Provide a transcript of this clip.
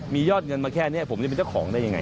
มียอดเงินมาแค่นี้ผมจะเป็นเจ้าของได้ยังไง